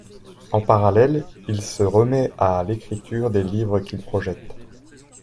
En parallèle, il se remet à l'écriture des livres qu'il projette.